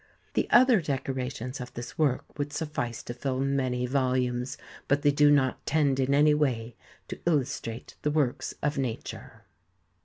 The other decorations of this work would suffice to fill many volumes, but they do not tend in any way to illustrate the works of nature.